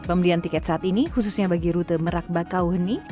pembelian tiket saat ini khususnya bagi rute merak bakauheni